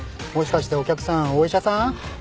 もしかしてお客さんお医者さん？